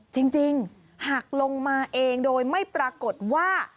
จริงหากลงมาเองโดยไม่ปรากฏว่า